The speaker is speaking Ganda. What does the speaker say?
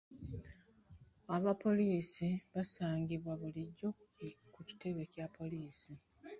Abapoliisi basangibwa bulijjo ku kitebe Kya poliisi.